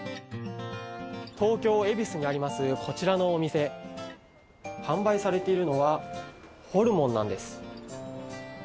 東京・恵比寿にあります、こちらのお店、販売されているのはホルモンなんです。